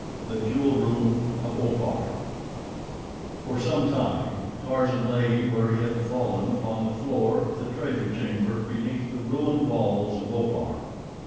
The Jewel Room of Opar For some time Tarzan lay where he had fallen upon the floor of the treasure chamber beneath the ruined walls of Opar.